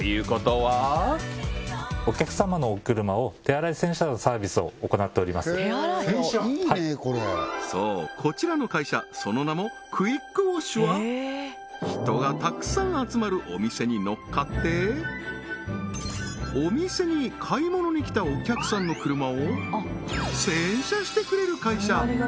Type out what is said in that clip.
はいそうこちらの会社その名もクイックウォッシュは人がたくさん集まるお店にのっかってお店に買い物に来たお客さんの車を洗車してくれる会社